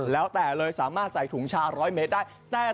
แล้วแต่เลยสามารถใส่ถุงชา๑๐๐เมตรได้